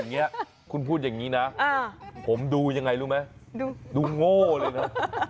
อย่างนี้คุณพูดอย่างนี้นะผมดูยังไงรู้ไหมดูโง่เลยนะ